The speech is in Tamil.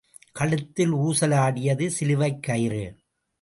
கழுத்தில் ஊசலாடியது சிலுவைக் கயிறு.